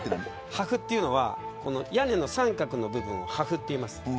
破風というのは屋根の三角の部分を破風といいます。